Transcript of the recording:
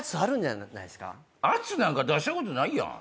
圧なんか出したことないやん。